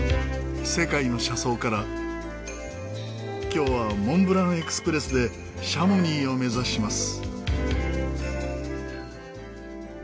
今日はモンブラン・エクスプレスでシャモニーを目指します。